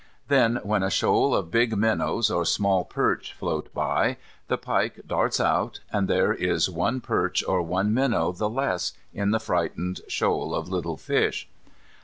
Then when a shoal of big minnows or small perch float by the pike darts out, and there is one perch or one minnow the less in the frightened shoal of little fish.